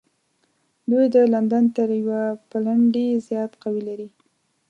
دوی د لندن تر یوه پلنډي زیات قوت لري.